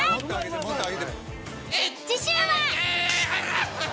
次週は。